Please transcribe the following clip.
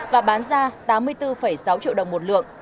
và bán ra tám mươi bốn sáu triệu đồng một lượng